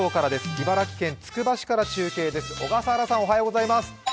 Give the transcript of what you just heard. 茨城県つくば市から中継です。